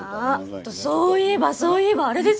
あっそういえばそういえばあれですよ！